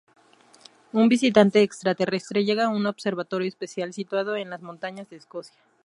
Un visitante extraterrestre llega a un observatorio espacial situado en las montañas de Escocia.